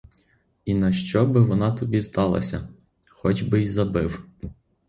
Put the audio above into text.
І нащо би вона тобі здалася, хоч би й забив?